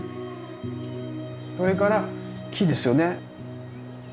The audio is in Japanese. それから木ですよね。